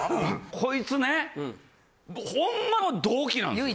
こいつねホンマの同期なんです。